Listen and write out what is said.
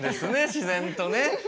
自然とね。